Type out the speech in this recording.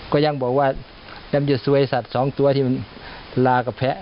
ก็ยังบอกว่าเยอะสวยสัตว์สองตัวที่ลากับพรรค